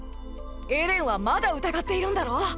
エレンはまだ疑っているんだろう